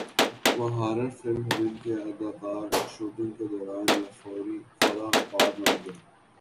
وہ ہارر فلمیں جن کے اداکار شوٹنگ کے دوران یا فورا بعد مر گئے